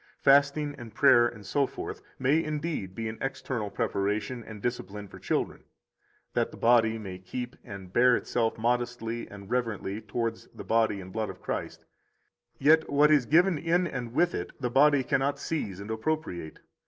37 Fasting and prayer, etc., may indeed be an external preparation and discipline for children, that the body may keep and bear itself modestly and reverently towards the body and blood of Christ; yet what is given in and with it the body cannot seize and appropriate.